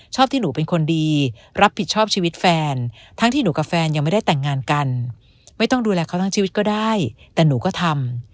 ที่หนูเป็นคนดีรับผิดชอบชีวิตแฟนทั้งที่หนูกับแฟนยังไม่ได้แต่งงานกันไม่ต้องดูแลเขาทั้งชีวิตก็ได้แต่หนูก็ทำ